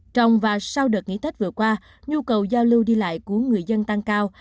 trong và sau đợt nghỉ tết vừa qua nhu cầu giao lưu đi lại của người dân tăng cao